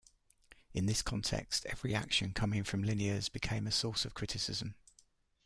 In this context, every action coming from Liniers became a source of criticism.